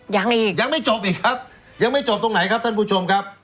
ยังอีกยังไม่จบอีกครับยังไม่จบตรงไหนครับท่านผู้ชมครับ